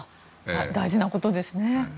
大事なことですね。